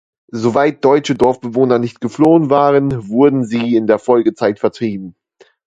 Soweit deutsche Dorfbewohner nicht geflohen waren, wurden sie in der Folgezeit vertrieben.